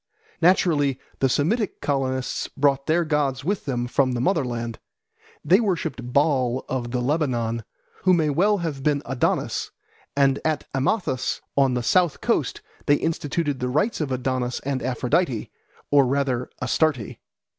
Naturally the Semitic colonists brought their gods with them from the mother land. They worshipped Baal of the Lebanon, who may well have been Adonis, and at Amathus on the south coast they instituted the rites of Adonis and Aphrodite, or rather Astarte.